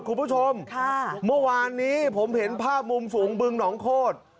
คุณผู้ชมค่ะเมื่อวานนี้ผมเห็นภาพมุมสูงบึงหนองโคตร